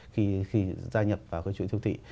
gia nhập vào các chuỗi thiêu thị